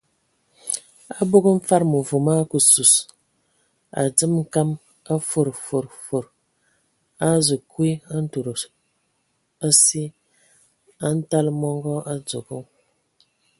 Abog mfad məvom a ake sus, a dzemə kam a fod fod fod, a a azu kwi ntud asi, a ntala mɔngɔ a dzogo.